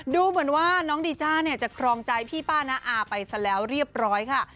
ดูเหมือนว่าน้องดีจ้าเนี่ยจะครองใจพี่ป้าน้าอาไปซะแล้วเรียบร้อยค่ะ